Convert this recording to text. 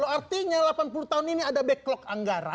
artinya delapan puluh tahun ini ada backlog anggaran